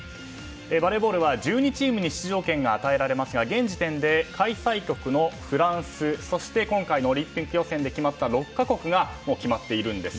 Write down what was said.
バレーボールは１２チームに出場権が与えられますが現時点で開催国のフランスそして今回のオリンピック予選で決まった６か国がもう決まっているんです。